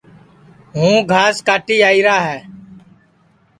ہوں گھاس کاٹی آئیرا ہے